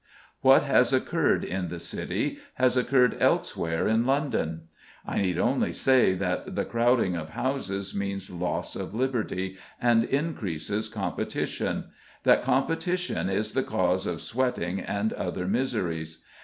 What has occurred in the City has occurred elsewhere in London. I need hardly say that the crowding of houses means loss of liberty, and increases competition that competition is the cause of "sweating" and other miseries.